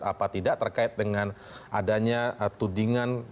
apa tidak terkait dengan adanya tudingan